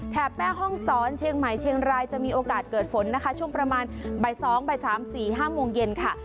แถบแม่ห้องซ้อนเชียงใหม่เชียงรายจะมีโอกาสเกิดฝนนะคะช่วงประมาณบ่ายสองบ่ายสามสี่ห้ามงเย็นค่ะ